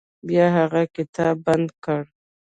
بیا هغه کتاب بند کړ.